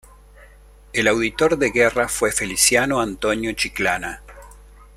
El auditor de guerra fue Feliciano Antonio Chiclana.